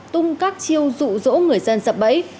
tung các chiêu rụ rỗ người dân sập bẫy